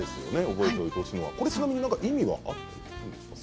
ちなみに意味はあるんですか。